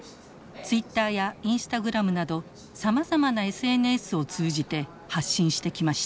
ツイッターやインスタグラムなどさまざまなＳＮＳを通じて発信してきました。